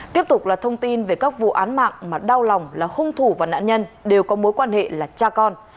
tiếp tục là thông tin về các vụ án mạng mà đau lòng là hung thủ và nạn nhân đều có mối quan hệ là cha con